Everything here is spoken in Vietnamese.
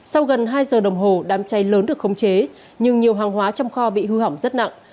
sau gần hai giờ đồng hồ đám cháy lớn được khống chế nhưng nhiều hàng hóa trong kho bị hư hỏng rất nặng